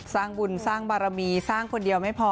สร้างบุญสร้างบารมีสร้างคนเดียวไม่พอ